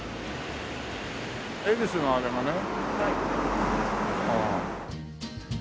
恵比寿のあれがね。